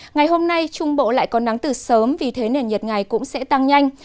ngày hôm nay trung bộ lại có nắng từ sớm vì thế nền nhiệt ngày cũng sẽ tăng nhanh